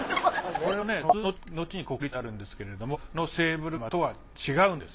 これはね王立のちに国立になるんですけれどもセーヴル窯とは違うんです。